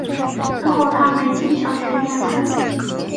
最后她没进小学念书